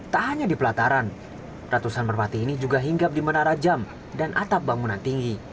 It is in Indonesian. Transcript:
tak hanya di pelataran ratusan merpati ini juga hinggap di menara jam dan atap bangunan tinggi